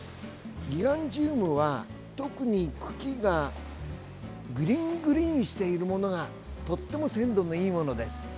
ギガンチウムは、特に茎がグリーングリーンしているものがとっても鮮度のいいものです。